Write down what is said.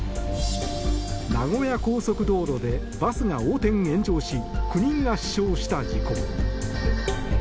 名古屋高速道路でバスが横転・炎上し９人が死傷した事故。